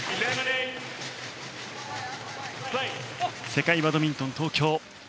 世界バドミントン東京。